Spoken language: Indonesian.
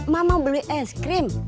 mak mau beli es krim